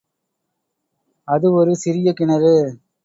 அது ஒரு சிறிய கிணறு.